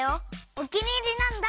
おきにいりなんだ！